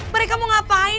mereka mau ngapain